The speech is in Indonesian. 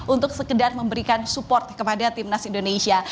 untuk sekedar memberikan support kepada timnas indonesia